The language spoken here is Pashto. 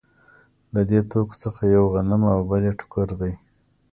له دې توکو څخه یو غنم او بل یې ټوکر دی